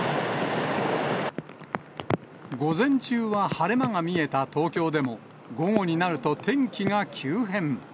午前中は晴れ間が見えた東京でも、午後になると天気が急変。